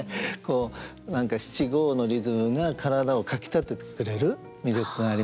何か七五のリズムが身体をかきたててくれる魅力がありますね。